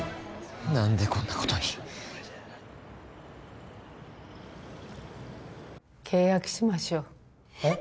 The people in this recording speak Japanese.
何でこんなことに契約しましょうえっ？